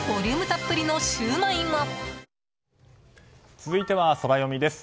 続いてはソラよみです。